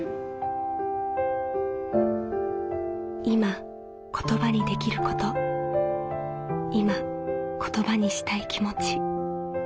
いま言葉にできることいま言葉にしたい気持ち。